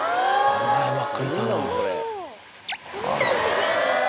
甘えまくりだな。